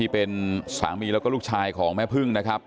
เป็นสามีและลูกชายของแม่พึ่ง